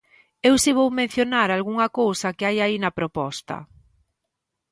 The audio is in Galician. Eu si vou mencionar algunha cousa que hai aí na proposta.